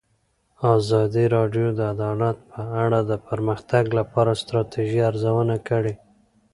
ازادي راډیو د عدالت په اړه د پرمختګ لپاره د ستراتیژۍ ارزونه کړې.